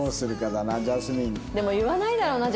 でも言わないだろうな